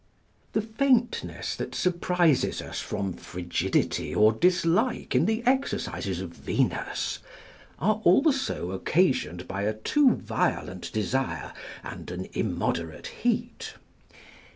The faintness that surprises us from frigidity or dislike in the exercises of Venus are also occasioned by a too violent desire and an immoderate heat.